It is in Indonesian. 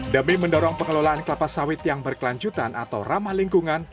demi mendorong pengelolaan kelapa sawit yang berkelanjutan atau ramah lingkungan